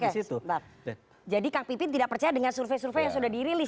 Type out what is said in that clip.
oke jadi kang pipin tidak percaya dengan survei survei yang sudah dirilis